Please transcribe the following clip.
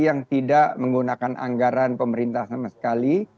yang tidak menggunakan anggaran pemerintah sama sekali